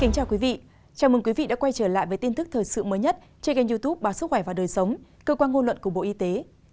chào mừng quý vị đã quay trở lại với tin tức thời sự mới nhất trên kênh youtube báo sức khỏe và đời sống cơ quan ngôn luận của bộ y tế